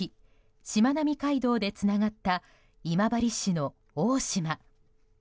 しまなみ海道でつながった今治市の大島。